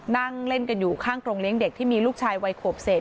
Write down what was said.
นั่งเล่นกันอยู่ข้างกรงเลี้ยงเด็กที่มีลูกชายวัยขวบเศษ